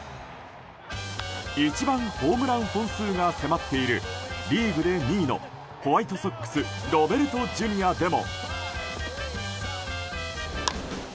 一番ホームラン本数が迫っているリーグで２位のホワイトソックスロベルトＪｒ．でも。